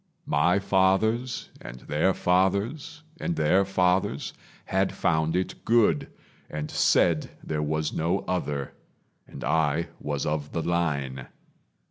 My fathers and their fathers and their fathers Had found it good, and said there was no other, And I was of the line.